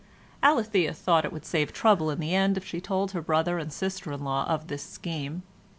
Alethea thought it would save trouble in the end if she told her brother and sister in law of this scheme.